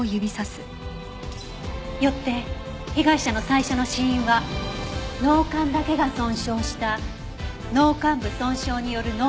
よって被害者の最初の死因は脳幹だけが損傷した脳幹部損傷による脳死です。